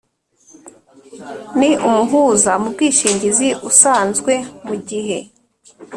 N umuhuza mu bwishingizi usanzwe mu gihe